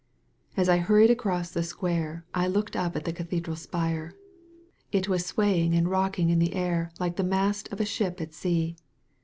As I hurried across the square I looked up at the cathedral spire. It was swaying and rocking in the air like the mast of a ship at sea.